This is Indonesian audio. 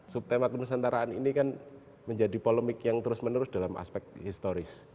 subtema ke nusantaraan ini kan menjadi polemik yang terus menerus dalam aspek historis